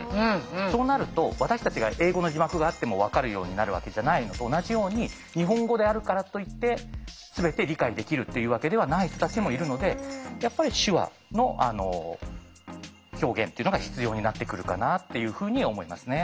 そうなると私たちが英語の字幕があっても分かるようになるわけじゃないのと同じように日本語であるからといって全て理解できるっていうわけではない人たちもいるのでやっぱり手話の表現っていうのが必要になってくるかなっていうふうに思いますね。